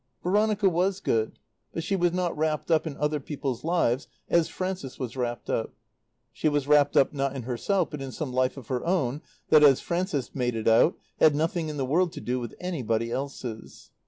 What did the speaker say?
Veronica was good. But she was not wrapped up in other people's lives as Frances was wrapped up. She was wrapped up, not in herself, but in some life of her own that, as Frances made it out, had nothing in the world to do with anybody else's.